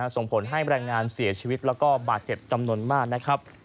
ส่งผลให้แมร่งงานเสียชีวิตและบาดเห็ดจำนวนมาก